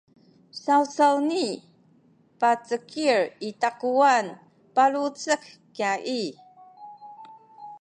sawsawni pacekil i takuwan palucek kya i